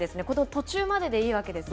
途中まででいいわけですね。